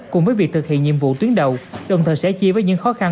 cùng với việc thực hiện nhiệm vụ tuyến đầu đồng thời sẽ chia với những khó khăn